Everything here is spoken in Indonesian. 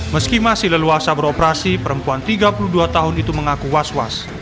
meski masih leluasa beroperasi perempuan tiga puluh dua tahun itu mengaku was was